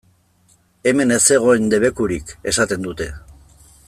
Hemen ez zegoen debekurik!, esaten dute.